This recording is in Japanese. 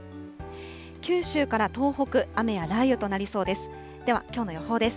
九州から東北、雨や雷雨となりそうです。